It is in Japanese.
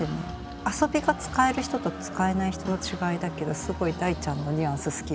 遊びが使える人と使えない人の違いだけどすごい大ちゃんのニュアンス好きよ。